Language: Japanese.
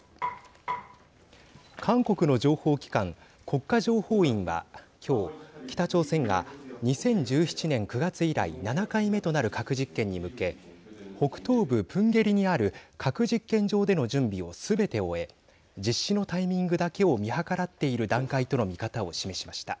韓国の情報機関・国家情報院はきょう北朝鮮が２０１７年９月以来７回目となる核実験に向け北東部プンゲリにある核実験場での準備をすべて終え実施のタイミングだけを見計らっている段階との見方を示しました。